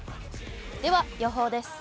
では予報です。